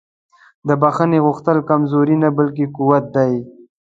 د بښنې غوښتل کمزوري نه بلکې قوت دی.